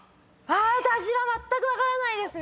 私はまったく分からないですね。